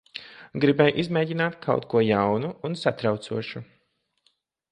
Gribēju izmēģināt kaut ko jaunu un satraucošu.